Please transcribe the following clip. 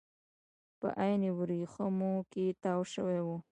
په عین ورېښمو کې تاو شوي وو.